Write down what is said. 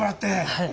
はい。